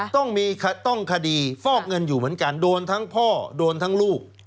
ต้องมีต้องคดีฟอกเงินอยู่เหมือนกันโดนทั้งพ่อโดนทั้งลูก